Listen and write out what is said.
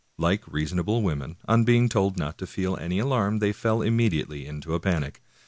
Like reasonable women, on being told not to feel alarm they fell immediately into a panic.